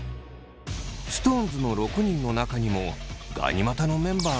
ＳｉｘＴＯＮＥＳの６人の中にもガニ股のメンバーが２人。